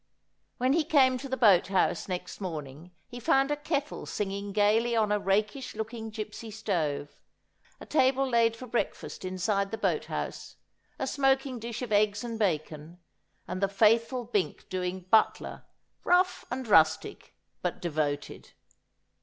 When he came to the boat house next morning he found a kettle singing gaily on a rakish looking gipsy stove, a table laid for breakfast inside the boat house, a smoking dish of eggs and bacon, and the faithful Bink doing butler, rough and rustic, but devoted.